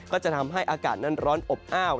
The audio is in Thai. ก็จะทำให้อากาศนั้นร้อนอบอ้าว